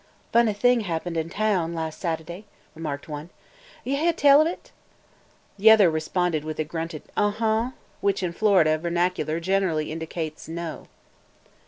"Funny thing happened in taown las' Sat'day," remarked one. "Yuh heah tell of it?" The other responded with a grunted "Uh uh!" which in Florida vernacular generally indicates "No!"